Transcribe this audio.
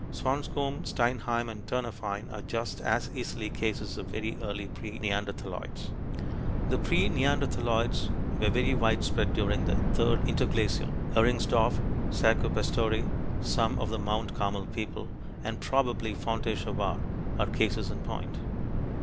Swanscombe, Steinheim, and Ternafine are just as easily cases of very early pre neanderthaloids. The pre neanderthaloids were very widespread during the third interglacial: Ehringsdorf, Saccopastore, some of the Mount Carmel people, and probably Fontéchevade are cases in point.